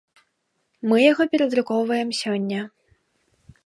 Мы яго перадрукоўваем сёння.